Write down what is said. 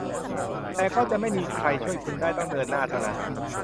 แต่ก็จะไม่มีใครช่วยคุณได้ต้องเดินหน้าเท่านั้น